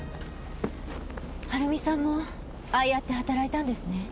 はるみさんもああやって働いたんですね。